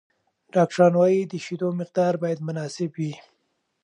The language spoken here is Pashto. ډاکټران وايي، د شیدو مقدار باید مناسب وي.